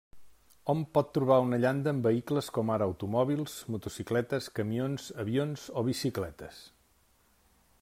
Hom pot trobar una llanda en vehicles com ara automòbils, motocicletes, camions, avions o bicicletes.